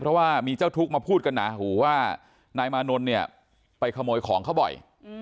เพราะว่ามีเจ้าทุกข์มาพูดกันหนาหูว่านายมานนท์เนี่ยไปขโมยของเขาบ่อย